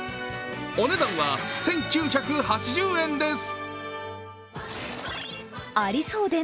お値段は１９８０円です。